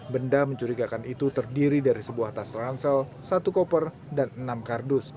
benda mencurigakan itu terdiri dari sebuah tas ransel satu koper dan enam kardus